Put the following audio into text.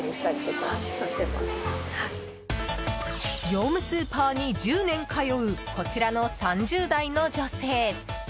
業務スーパーに１０年通うこちらの３０代の女性。